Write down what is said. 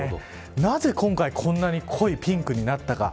なぜ今回こんなに濃いピンクになったか。